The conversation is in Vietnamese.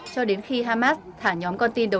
cho đến khi hamas thả nhóm con tin được